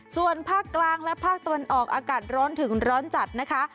ส่วนภาคกลางและภาคตะวันออกอากาศร้อนถึงร้อนจัดนะคะ